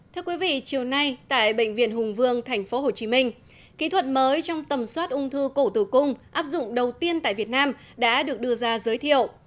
thưa quý vị chiều nay tại bệnh viện hùng vương tp hcm kỹ thuật mới trong tầm soát ung thư cổ tử cung áp dụng đầu tiên tại việt nam đã được đưa ra giới thiệu